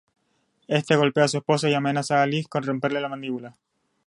Éste golpea a su esposa y amenaza a Alice con romperle la mandíbula.